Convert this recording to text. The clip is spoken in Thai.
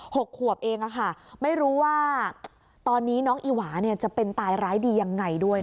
หกขวบเองอะค่ะไม่รู้ว่าตอนนี้น้องอีหวาเนี่ยจะเป็นตายร้ายดียังไงด้วย